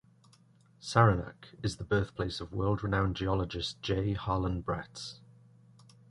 Saranac is the birthplace of world-renowned geologist J Harlen Bretz.